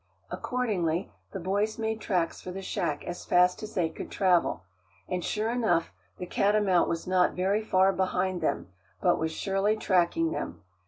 Accordingly the boys made tracks for the shack as fast as they could travel. And sure enough, the catamount was not very far behind them, but was surely tracking them.